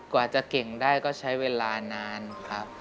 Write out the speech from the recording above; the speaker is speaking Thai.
กว่าจะเก่งได้ก็ใช้เวลานานครับ